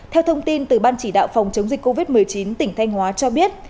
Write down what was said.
theo thông tin từ ban chỉ đạo phòng chống dịch covid một mươi chín tỉnh thanh hóa cho biết